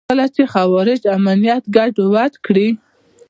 کله چې خوارج امنیت ګډوډ کړي.